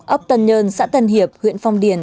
ốc tân nhơn xã tân hiệp huyện phong điền